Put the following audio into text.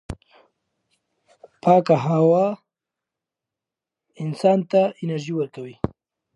پاکه هوا انسان ته تازه انرژي ورکوي.